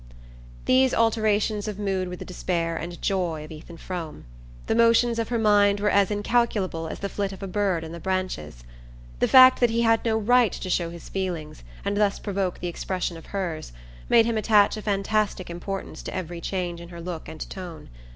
These alterations of mood were the despair and joy of Ethan Frome. The motions of her mind were as incalculable as the flit of a bird in the branches. The fact that he had no right to show his feelings, and thus provoke the expression of hers, made him attach a fantastic importance to every change in her look and tone.